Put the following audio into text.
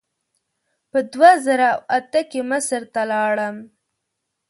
په دوه زره اته کې مصر ته لاړم.